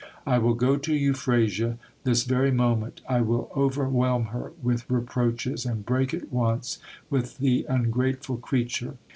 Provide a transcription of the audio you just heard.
I will go to Euphrasia this very moment I will overwhelm her with reproaches, and break at once with the ungrateful creature.